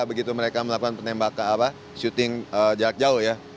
begitu mereka melakukan penembaka shooting jarak jauh ya